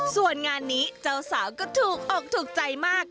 ส่วนงานนี้เจ้าสาวก็ถูกอกถูกใจมาก